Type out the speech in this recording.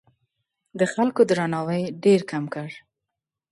د خلکو درناوی ډېر کم کړ.